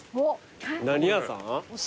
何屋さん？